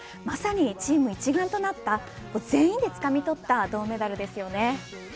まさにチーム一丸となった全員でつかみ取った銅メダルですよね。